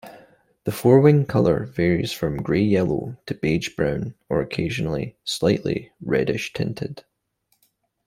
The forewing ground colour varies from grey-yellow to beige-brown or occasionally slightly reddish-tinted.